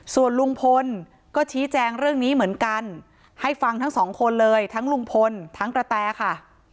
ส่วนลุงพลก็ชี้แจงเรื่องนี้เหมือนกันให้ฟังทั้งสองคนเลยทั้งลุงพลทั้งกระแตค่ะ